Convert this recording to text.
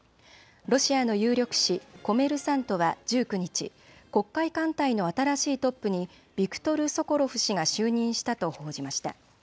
ロシアの有力紙、コメルサントは１９日、黒海艦隊の新しいトップにビクトル・ソコロフ氏が就任したと報じました。